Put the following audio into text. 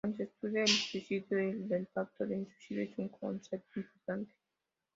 Cuando se estudia el suicidio, el del pacto de suicidio es un concepto importante.